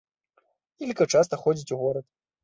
Ілька часта ходзіць у горад.